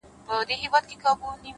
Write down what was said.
• نه يوې خوا ته رهي سول ټول سرونه,